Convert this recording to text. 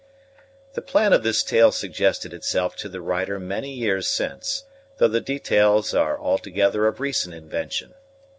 The plan of this tale suggested itself to the writer many years since, though the details are altogether of recent invention.